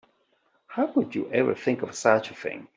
How could you ever think of such a thing?